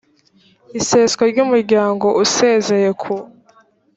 iseswa ry umuryango usezeye ku